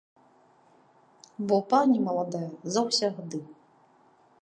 Бо пані маладая заўсягды.